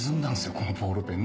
このボールペン。